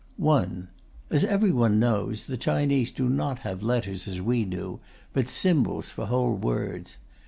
1. As everyone knows, the Chinese do not have letters, as we do, but symbols for whole words.